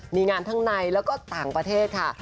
มีงานทั้งในแล้วก็ต่างประเทศค่ะ